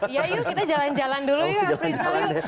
ya yuk kita jalan jalan dulu ya afrizal yuk